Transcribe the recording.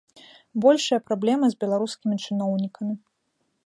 Большая праблема з беларускімі чыноўнікамі.